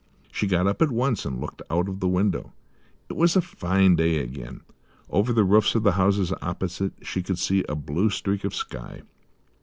She got up at once and looked out of the window. It was a fine day again; over the roofs of the houses opposite she could see a blue streak of sky.